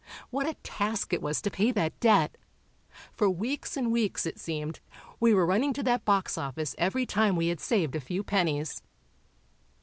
What a task it was to pay that debt! For weeks and weeks, it seemed, we were running to that box office every time we had saved a few pennies.